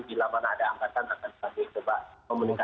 bila mana ada angkatan akan kami coba komunikasi